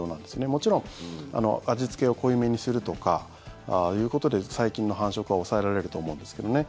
もちろん、味付けを濃いめにするとかっていうことで細菌の繁殖は抑えられると思うんですけどね。